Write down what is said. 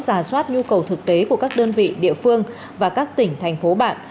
giả soát nhu cầu thực tế của các đơn vị địa phương và các tỉnh thành phố bạn